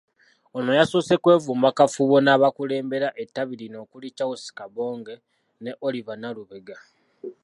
Ono yasoose kwevumba kafubo n'abakulembera ettabi lino okuli Charles Kabonge ne Oliver Nalubega.